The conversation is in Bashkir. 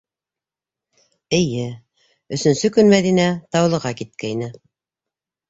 Эйе, өсөнсө көн Мәҙинә Таулыға киткәйне.